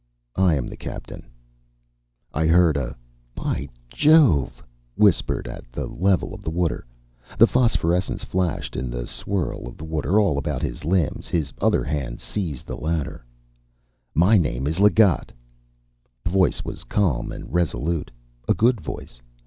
"I am the captain." I heard a "By Jove!" whispered at the level of the water. The phosphorescence flashed in the swirl of the water all about his limbs, his other hand seized the ladder. "My name's Leggatt." The voice was calm and resolute. A good voice.